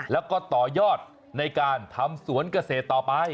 แล้วก็ต่อยอดในการทำสวนเกษตรต่อไป